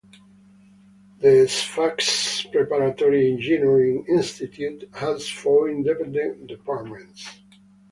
The Sfax Preparatory Engineering Institute has four independent departments